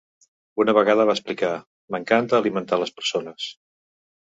Una vegada va explicar "M'encanta alimentar les persones".